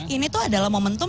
ini tuh adalah momentum